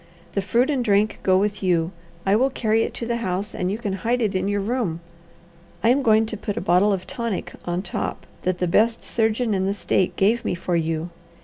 The fruit and drink go with you. I will carry it to the house, and you can hide it in your room. I am going to put a bottle of tonic on top that the best surgeon in the state gave me for you.